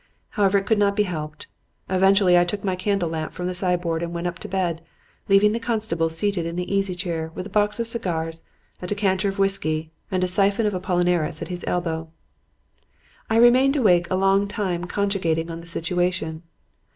However, it could not be helped. Eventually I took my candle lamp from the sideboard and went up to bed, leaving the constable seated in the easy chair with a box of cigars, a decanter of whiskey and a siphon of Apollinaris at his elbow. "I remained awake a long time cogitating on the situation.